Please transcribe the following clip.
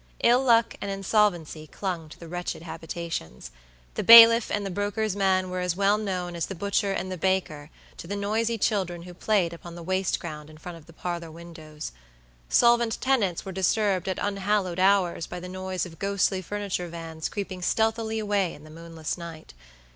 Ill luck and insolvency clung to the wretched habitations. The bailiff and the broker's man were as well known as the butcher and the baker to the noisy children who played upon the waste ground in front of the parlor windows. Solvent tenants were disturbed at unhallowed hours by the noise of ghostly furniture vans creeping stealthily away in the moonless night.